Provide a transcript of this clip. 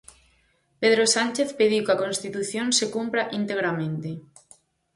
Pedro Sánchez pediu que a Constitución se cumpra integramente.